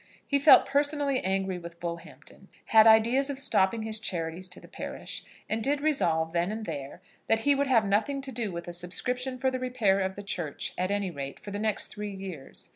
He felt personally angry with Bullhampton, had ideas of stopping his charities to the parish, and did resolve, then and there, that he would have nothing to do with a subscription for the repair of the church, at any rate for the next three years.